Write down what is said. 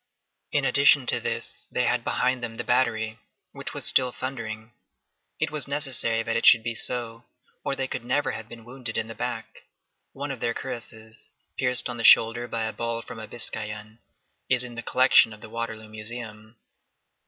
In addition to this, they had behind them the battery, which was still thundering. It was necessary that it should be so, or they could never have been wounded in the back. One of their cuirasses, pierced on the shoulder by a ball from a biscayan,9 is in the collection of the Waterloo Museum.